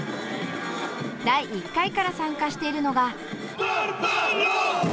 第１回から参加しているのが。